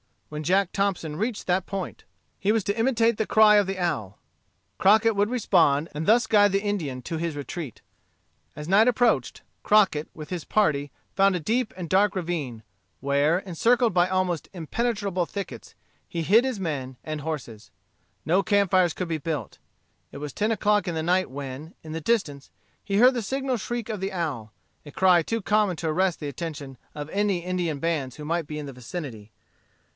When Jack Thompson reached that spot, he was to imitate the cry of the owl. Crockett would respond, and thus guide the Indian to his retreat. As night approached, Crockett, with his party, found a deep and dark ravine, where, encircled by almost impenetrable thickets, he hid his men and the horses. No campfires could be built. It was ten o'clock in the night when, in the distance, he heard the signal shriek of the owl, a cry too common to arrest the attention of any Indian bands who might be in the vicinity.